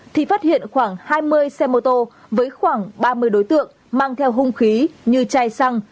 thì phát hiện khoảng hai mươi xe mô tô với khoảng ba mươi đối tượng mang theo hung khí như chai xăng